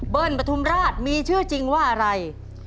ประทุมราชมีชื่อจริงว่าอะไร